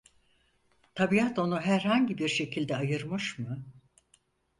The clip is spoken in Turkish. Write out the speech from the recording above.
Tabiat onu herhangi bir şekilde ayırmış mı?